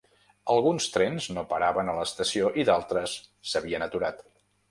Alguns trens no paraven a l’estació i d’altres s’havien aturat.